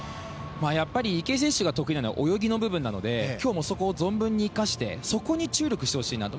やっぱり池江選手が得意なのは泳ぎの部分なので今日もそこを存分に生かしてそこに注力してほしいなと。